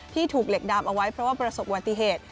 ถูกเหล็กดามเอาไว้เพราะว่าประสบวัติเหตุ